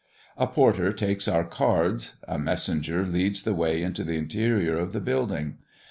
A porter takes our cards; a messenger leads the way into the interior of the building.